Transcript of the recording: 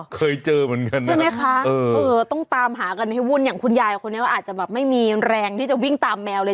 เคยเจอเหมือนกันใช่ไหมคะต้องตามหากันให้วุ่นอย่างคุณยายคนนี้อาจจะแบบไม่มีแรงที่จะวิ่งตามแมวเลย